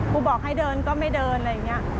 กูบอกให้เดินก็ไม่เดินอะไรอย่างนี้